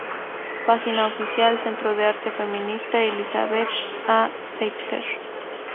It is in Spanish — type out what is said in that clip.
Página Oficial Centro de Arte Feminista Elisabeth A. Sackler